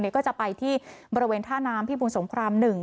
ก็จะไปที่บริเวณท่าน้ำพี่บุญสงคราม๑